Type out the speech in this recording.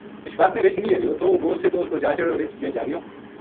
اشفاق نے رچھ نیہہ ہِریو تھو وہ سدھو اس پو جا چڑہیو رچھ جے جاگیو